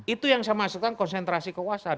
itu yang saya maksudkan konsentrasi kekuasaan